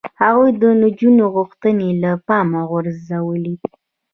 هغوی د نجونو غوښتنې له پامه غورځولې.